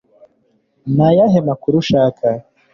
Ni ayahe makuru ushaka?